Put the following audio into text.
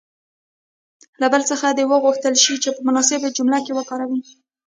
له بل څخه دې وغوښتل شي چې په مناسبه جمله کې وکاروي.